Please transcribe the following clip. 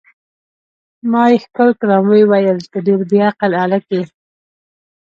ما یې ښکل کړم، ویې ویل: ته ډېر بې عقل هلک یې.